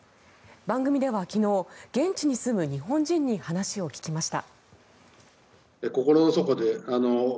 番組では昨日現地に住む日本人に話を聞きました。